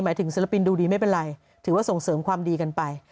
ถึงศิลปินดูดีไม่เป็นไรถือว่าส่งเสริมความดีกันไป